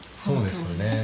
そうですよね。